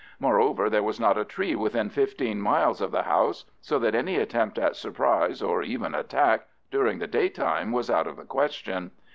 Moreover, there was not a tree within fifteen miles of the house, so that any attempt at surprise, or even attack, during the day time was out of the question.